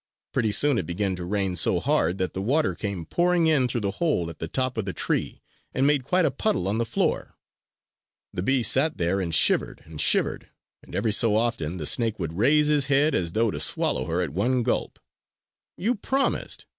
Pretty soon it began to rain so hard that the water came pouring in through the hole at the top of the tree and made quite a puddle on the floor. The bee sat there and shivered and shivered; and every so often the snake would raise his head as though to swallow her at one gulp. "You promised!